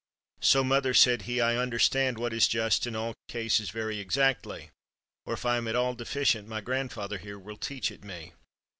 So, mother," said he, "I understand what is just in all cases very exactly ; or, if I am at all deficient, my grand father here will teach it me."